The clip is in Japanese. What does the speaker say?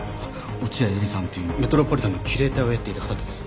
落合エリさんっていうメトロポリタンのキュレーターをやっていた方です。